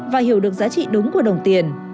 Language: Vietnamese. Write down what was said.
và hiểu được giá trị đúng của đồng tiền